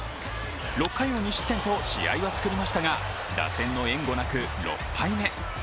６回を無失点と試合は作りましたが打線の援護なく６敗目。